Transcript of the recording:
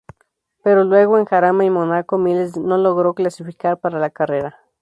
Pero luego, en Jarama y Mónaco, Miles no logró clasificar para la carrera.